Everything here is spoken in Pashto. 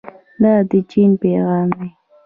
دا د چین پیغام دی.